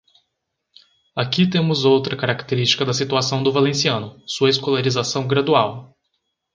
Aqui temos outra característica da situação do valenciano: sua escolarização gradual.